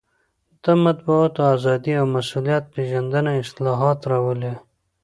د مطبوعاتو ازادي او مسوولیت پېژندنه اصلاحات راولي.